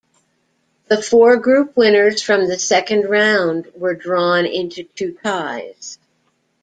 The four group winners from the second round were drawn into two ties.